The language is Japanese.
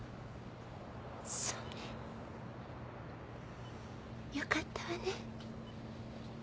そうね。よかったわね。